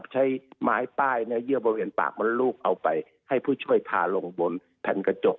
ใช้ไม้ป้ายเยื่อบริเวณปากมดลูกเอาไปให้ผู้ช่วยพาลงบนแผ่นกระจก